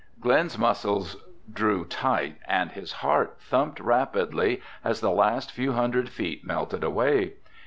Glen's muscles drew tight and his heart thumped rapidly as the last few hundred feet melted away.